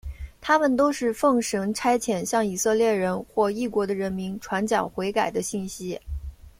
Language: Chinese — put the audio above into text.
他们都是奉神差遣向以色列人或异国的人民传讲悔改的信息。